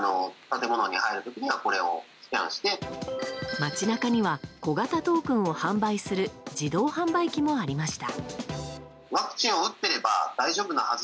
街中には小型トークンを販売する自動販売機もありました。